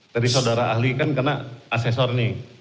tadi saudara ahli kan kena asesor nih